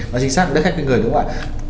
và chính xác đất khách khuyên người đúng không ạ